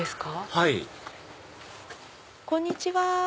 はいこんにちは。